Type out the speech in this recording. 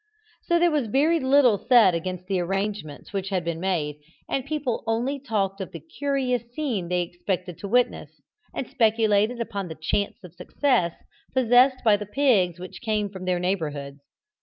So there was very little said against the arrangements which had been made, and people only talked of the curious scene they expected to witness, and speculated upon the chance of success possessed by the pigs which came from their several neighbourhoods.